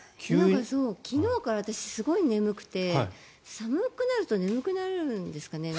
昨日から私、すごい眠くて寒くなると眠くなるんですかね。